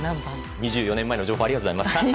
２４年前の情報ありがとうございます。